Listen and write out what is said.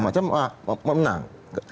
pertama saya menang